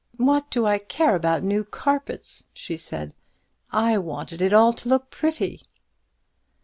"What do I care about new carpets?" she said; "I wanted it all to look pretty."